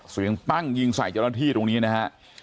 ปั้งยิงใส่เจ้าหน้าที่ตรงนี้นะฮะ